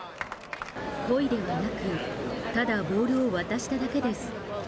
故意ではなく、ただボールを渡しただけです。